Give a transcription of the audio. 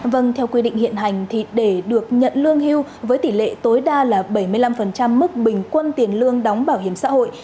vâng theo quy định hiện hành thì để được nhận lương hưu với tỷ lệ tối đa là bảy mươi năm mức bình quân tiền lương đóng bảo hiểm xã hội